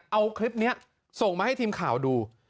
เอาคลิปนี้ส่งมาให้ทีมข่าวดู